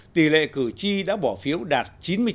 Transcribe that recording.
tỷ lệ cử tri đã bỏ phiếu đạt chín mươi chín ba mươi năm